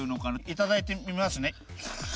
いただいてみますね。